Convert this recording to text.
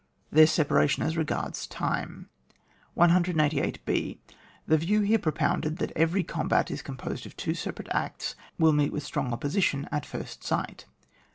TTieir separation as regards Time. 188 b. The view here propounded, that every combat is composed of two separate acts, will meet with strong opposition at first sight.